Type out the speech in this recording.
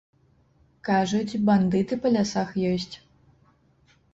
Кажуць, бандыты па лясах ёсць.